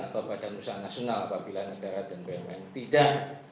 keadaan usaha nasional apabila negara dan bumn tidak